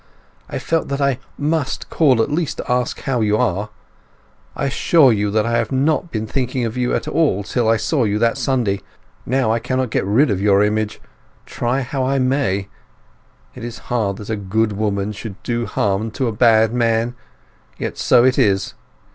"I felt that I must call at least to ask how you are. I assure you I had not been thinking of you at all till I saw you that Sunday; now I cannot get rid of your image, try how I may! It is hard that a good woman should do harm to a bad man; yet so it is.